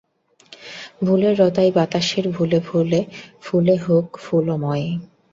ভুলের লতায় বাতাসের ভুলে ফুলে ফুলে হোক ফুলময়!